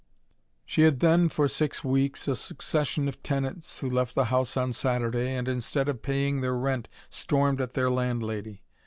She had then for six weeks a succession of tenants, who left the house on Saturday, and, instead of paying their rent, stormed at their landlady.